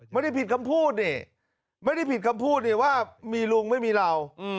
ไม่ได้ผิดคำพูดนี่ไม่ได้ผิดคำพูดนี่ว่ามีลุงไม่มีเรา